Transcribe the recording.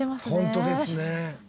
ホントですね。